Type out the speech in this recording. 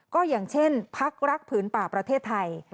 ก็อย่างเช่นพักรักผืนป่าประเทศไทย